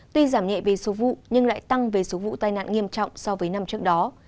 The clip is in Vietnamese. tuy giảm nhẹ về số vụ nhưng lại tăng về số vụ tai nạn nghiêm trọng so với năm trước đó